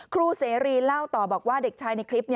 ครูเสรีเล่าต่อบอกว่าเด็กชายในคลิป